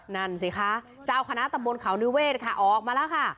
นั่นสิคะเจ้าคณะตำบลเขานิเวศค่ะออกมาแล้วค่ะ